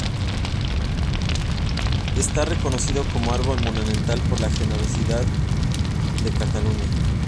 Está reconocido como árbol monumental por la Generalidad de Cataluña.